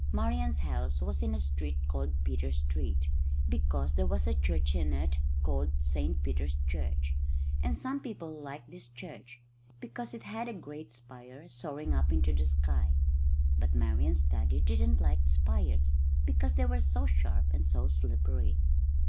Marian's house was in a street called Peter Street, because there was a church in it called St Peter's Church; and some people liked this church, because it had a great spire soaring up into the sky. But Marian's daddy didn't like spires, because they were so sharp and so slippery.